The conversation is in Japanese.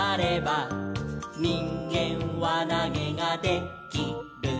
「にんげんわなげがで・き・る」